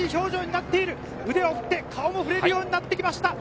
腕を振って、顔も振れるようになってきました。